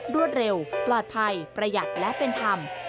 รวดเร็วปลอดภัยประหยัดและเป็นธรรม